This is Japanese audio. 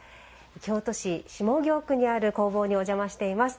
京都市下京区にある工房にお邪魔しています。